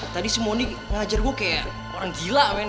tadi si mondi ngeajar gua kayak orang gila men